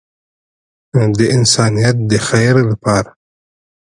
د انسانیت د خیر لپاره.